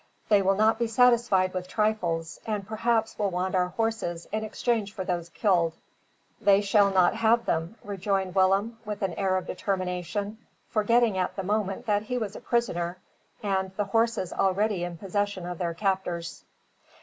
They will not be satisfied with trifles, and perhaps will want our horses in exchange for those killed." "They shall not have them then," rejoined Willem, with an air of determination, forgetting at the moment that he was a prisoner, and the horses already in possession of their captors.